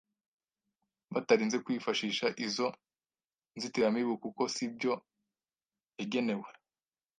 batarinze kwifashisha izo nzitiramibu kuko si byo yagenewe”.